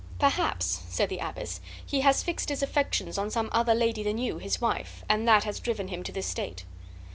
"Perhaps," said the abbess, "he has fixed his affections on some other lady than you, his wife, and that has driven him to this state."